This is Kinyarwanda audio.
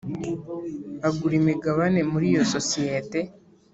Agura imigabane muri iyo sosiyete